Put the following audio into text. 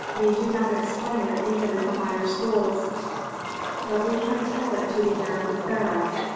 "Ye do not explain it even in the higher schools." "But we can tell it to the heir of the pharaoh.